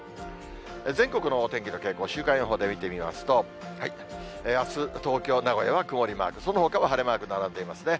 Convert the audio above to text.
全国のお天気の傾向、週間予報で見てみますと、あす、東京、名古屋は曇りマーク、そのほかは晴れマーク並んでいますね。